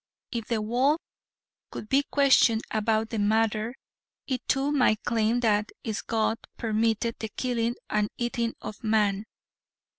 If the wolf could be questioned about the matter, it too might claim that its god permitted the killing and eating of man.